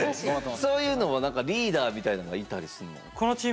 そういうのは何かリーダーみたいなのはいたりするの？